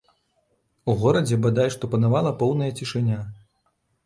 У горадзе бадай што панавала поўная цішыня.